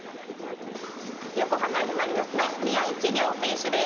横浜Ｆ・マリノスの宮市亮選手です。